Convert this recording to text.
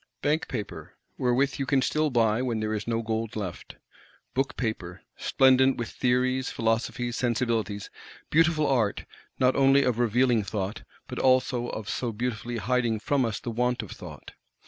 Bank paper, wherewith you can still buy when there is no gold left; Book paper, splendent with Theories, Philosophies, Sensibilities,—beautiful art, not only of revealing Thought, but also of so beautifully hiding from us the want of Thought!